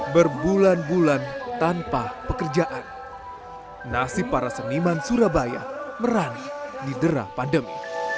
berbulan bulan tanpa pekerjaan nasib para seniman surabaya merani didera pandemi